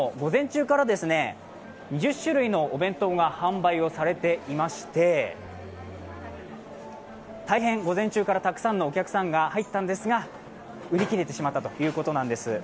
２０種類のお弁当が販売されていまして、大変、午前中からたくさんのお客さんが入ったんですが売り切れてしまったということなんです。